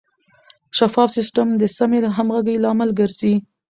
شفاف سیستم د سمې همغږۍ لامل ګرځي.